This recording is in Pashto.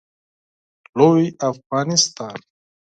لوی افغانستان